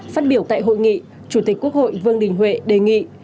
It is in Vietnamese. phát biểu tại hội nghị chủ tịch quốc hội vương đình huệ đề nghị